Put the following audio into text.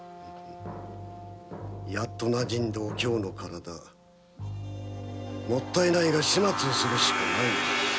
やっとなじんだお京の体もったいないが始末するしかないな。